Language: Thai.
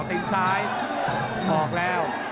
ติงซ้ายออกแล้ว